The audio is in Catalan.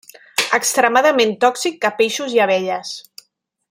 Extremadament tòxic a peixos i abelles.